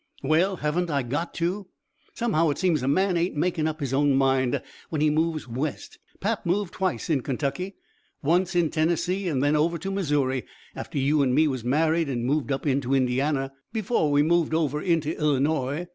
"Well, haven't I got to? Somehow it seems a man ain't making up his own mind when he moves West. Pap moved twice in Kentucky, once in Tennessee, and then over to Missouri, after you and me was married and moved up into Indiana, before we moved over into Illinois.